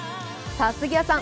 杉谷さん